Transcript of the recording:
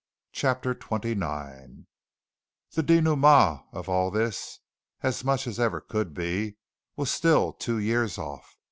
CHAPTER XXIX The dénouement of all this, as much as ever could be, was still two years off.